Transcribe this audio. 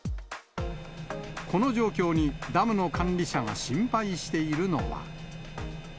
この状況にダムの管理者が心配しているのは。